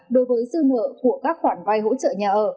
đối với dư nợ của các khoản vay hỗ trợ nhà ở